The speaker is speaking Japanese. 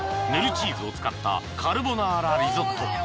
［ぬるチーズを使ったカルボナーラリゾット